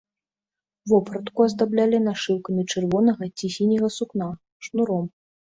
Вопратку аздаблялі нашыўкамі чырвонага ці сіняга сукна, шнуром.